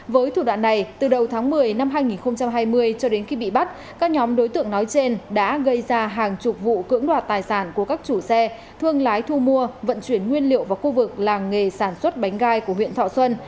với thủ đoạn này từ đầu tháng một mươi năm hai nghìn hai mươi cho đến khi bị bắt các nhóm đối tượng nói trên đã gây ra hàng chục vụ cưỡng đoạt tài sản của các chủ xe thương lái thu mua vận chuyển nguyên liệu vào khu vực làng nghề sản xuất bánh gai của huyện thọ xuân